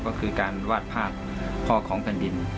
ก็คือการวาดภาพพ่อของแผ่นดิน